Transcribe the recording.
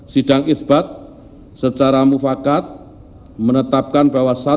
sidang isbat secara mufakat menetapkan bahwa